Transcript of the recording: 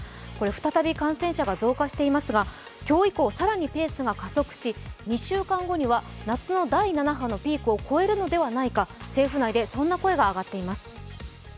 再び感染者が増加していますが今日以降更にペースすが加速し２週間後には夏の第７波のピークを超えるのではないか政府内でそんな声が上がっています。